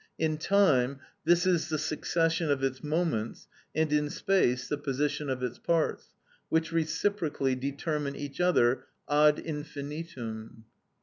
In time, this is the succession of its moments, and in space the position of its parts, which reciprocally determine each other ad infinitum.